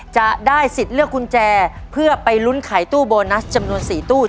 จะได้สิทธิ์เลือกกุญแจเพื่อไปลุ้นขายตู้โบนัสจำนวน๔ตู้